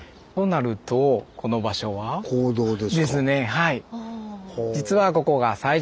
はい。